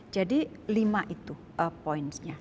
jadi lima itu points nya